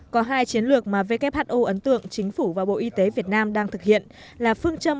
có hai chiến lược mà who ấn tượng chính phủ và bộ y tế việt nam đang thực hiện là phương châm